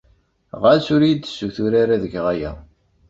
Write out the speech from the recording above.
Ɣas ur iyi-d-ssutur ara ad geɣ aya.